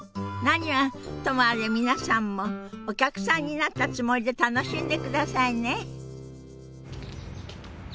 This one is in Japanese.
何はともあれ皆さんもお客さんになったつもりで楽しんでくださいね。